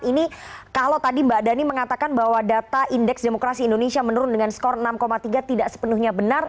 ini kalau tadi mbak dhani mengatakan bahwa data indeks demokrasi indonesia menurun dengan skor enam tiga tidak sepenuhnya benar